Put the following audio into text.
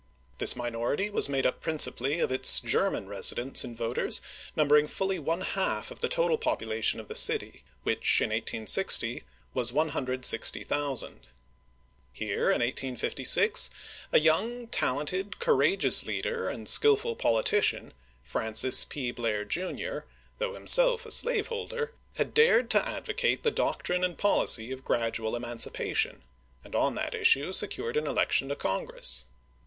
This minority was made up principally of its German residents and voters, numbering fully one half the total population of the city, which in 1860 was 160,000. Here, in 1856, a young, talented, courageous leader and skilKul politician, Francis P. Blair, Jr., though himself a slaveholder, had dared to advocate the doctrine and policy of gradual emancipation, and on that issue secured an election to Congress.